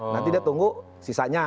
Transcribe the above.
nanti dia tunggu sisanya